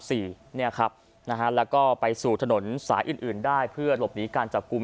แล้วก็ไปสู่ถนนสายอื่นได้เพื่อหลบหนีการจับกลุ่ม